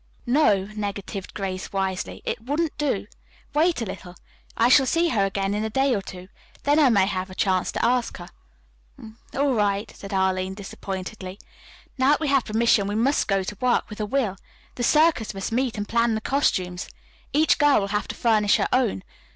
"No," negatived Grace wisely, "it wouldn't do. Wait a little. I shall see her again in a day or two. Then I may have a chance to ask her." "All right," sighed Arline disappointedly. "Now that we have permission we must go to work with a will. The 'Circus' must meet and plan the costumes. Each girl will have to furnish her own.